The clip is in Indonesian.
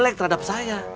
dia melek terhadap saya